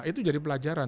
itu jadi pelajaran